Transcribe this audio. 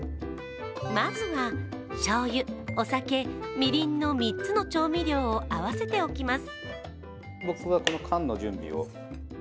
まずは、しょうゆ、お酒、みりんの３つの調味料を合わせておきます。